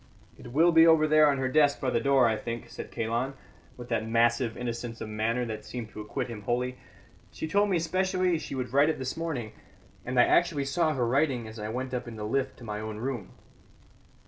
"It will be over there on her desk by the door, I think," said Kalon, with that massive innocence of manner that seemed to acquit him wholly. "She told me specially she would write it this morning, and I actually saw her writing as I went up in the lift to my own room."